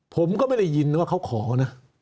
ผมก็ไม่ได้ยินนะว่าเขาขอนะ